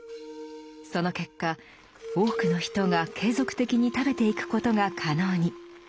その結果多くの人が継続的に食べていくことが可能に。